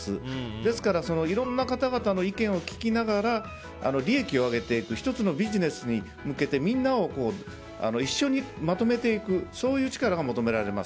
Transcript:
ですから、いろんな方々の意見を聞きながら利益を上げていく１つのビジネスに向けてみんなを一緒にまとめていくそういう力が求められます。